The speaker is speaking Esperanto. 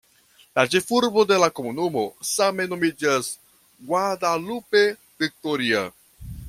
La ĉefurbo de la komunumo same nomiĝas "Guadalupe Victoria".